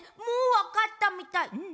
もうわかったみたい。